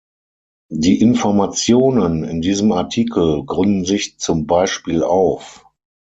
Die Informationen in diesem Artikel gründen sich zum Beispiel auf